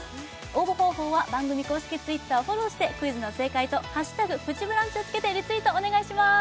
応募方法は番組公式Ｔｗｉｔｔｅｒをフォローしてクイズの正解と＃プチブランチをつけてリツイートお願いします